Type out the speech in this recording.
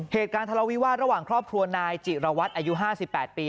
เหตุการณ์ทะเลาวิวาสระหว่างครอบครัวนายจิรวัตรอายุ๕๘ปี